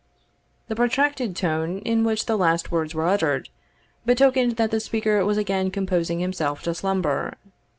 The protracted tone in which the last words were uttered, betokened that the speaker was again composing himself to slumber.